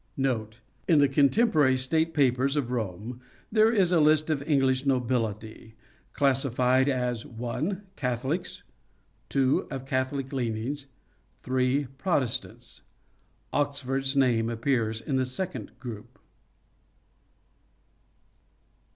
Note. In the contemporary State Papers of Rome there is a list of English nobility, classified as (i) Catholics, (ii) of Catholic leanings, (iii) Protestants. Oxford's name appears in the second group.